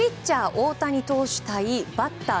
大谷投手対バッター